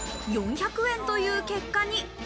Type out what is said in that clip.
４００円という結果に。